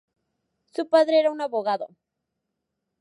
Su padre era un abogado.